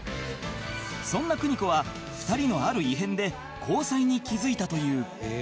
そんな邦子は２人のある異変で交際に気付いたという